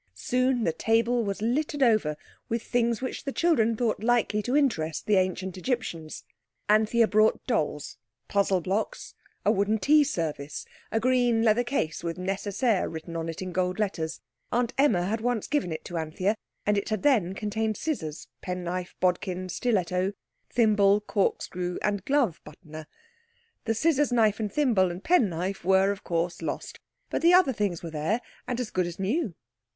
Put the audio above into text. Soon the table was littered over with things which the children thought likely to interest the Ancient Egyptians. Anthea brought dolls, puzzle blocks, a wooden tea service, a green leather case with Nécessaire written on it in gold letters. Aunt Emma had once given it to Anthea, and it had then contained scissors, penknife, bodkin, stiletto, thimble, corkscrew, and glove buttoner. The scissors, knife, and thimble, and penknife were, of course, lost, but the other things were there and as good as new.